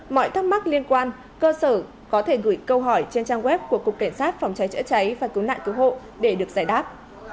mọi thắc mắc liên quan cơ sở có thể gửi câu hỏi trên trang web của cục cảnh sát phòng cháy chữa cháy và cứu nạn cứu hộ để được giải đáp